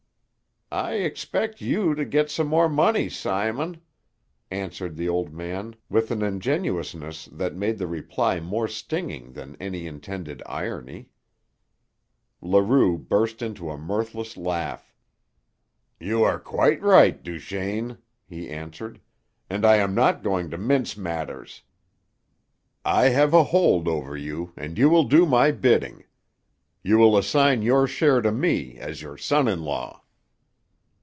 "I expect you to get some more money, Simon," answered the old man with an ingenuousness that made the reply more stinging than any intended irony. Leroux burst into a mirthless laugh. "You are quite right, Duchaine," he answered. "And I am not going to mince matters. I have a hold over you, and you will do my bidding. You will assign your share to me as your son in law."